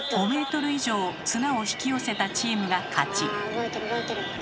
お動いてる動いてる。